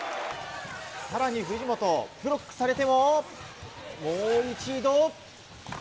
さらに藤本、ブロックされても、もう一度。